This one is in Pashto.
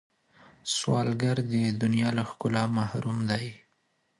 سوالګر د دنیا له ښکلا محروم دی